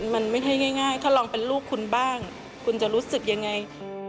มันไม่ใช่ง่ายถ้าลองเป็นลูกคุณบ้างคุณจะรู้สึกยังไง